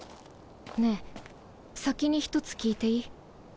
ねぇ先に１つ聞いていい？